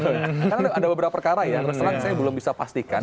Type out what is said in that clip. karena ada beberapa perkara ya terus terang saya belum bisa pastikan